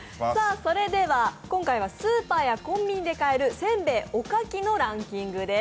今回はスーパーやコンビニで買える煎餅、おかきのランキングです。